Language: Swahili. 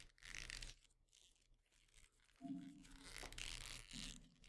hiki kinaitwa taarabu za mipasho na kuna ile nyingine wengine wanasema asilia lakini